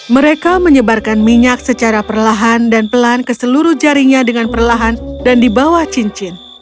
mereka menyebarkan minyak secara perlahan dan pelan ke seluruh jarinya dengan perlahan dan di bawah cincin